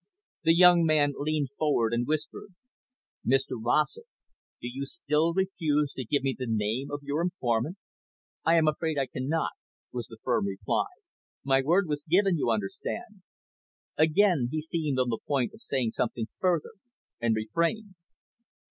The young man leaned forward and whispered. "Mr Rossett, do you still refuse to give me the name of your informant?" "I am afraid I cannot," was the firm reply. "My word was given, you understand." Again he seemed on the point of saying something further, and refrained.